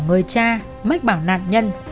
người cha mất bảo nạn nhân